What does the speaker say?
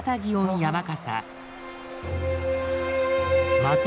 山笠